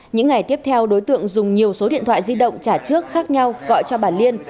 những ngày tiếp theo đối tượng dùng nhiều số điện thoại di động trả trước khác nhau gọi cho bà liên